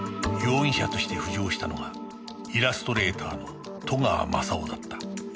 容疑者として浮上したのがイラストレーターの戸川雅夫だった